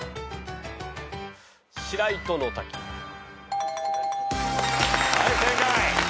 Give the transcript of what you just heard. はい正解。